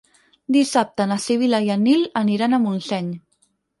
Dissabte na Sibil·la i en Nil aniran a Montseny.